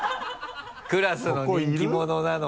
クラスの人気者なのか